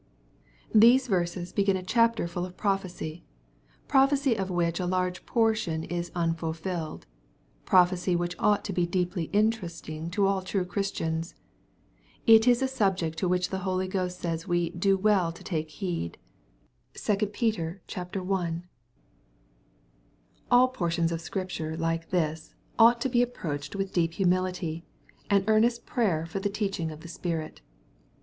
These verses begin a chapter full of prophecy ^prophecy 81S EXP08IT0BT THOuanis. of which a large portion is unfulfilled — prophecy which cught to be deeply interesting to all true ChristiaDS. j It is a subject to which the Holy Ghost says, we ^^do well to take heed." (2JPeteri.) ; All portions of Scripture like this, ought to be ap proached with deep humility, and earnest prayer for the teaching of the Spirit.